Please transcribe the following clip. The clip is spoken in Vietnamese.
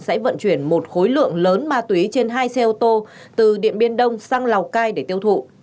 sẽ vận chuyển một khối lượng lớn ma túy trên hai xe ô tô từ điện biên đông sang lào cai để tiêu thụ